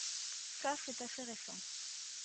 Ça c’est assez récent.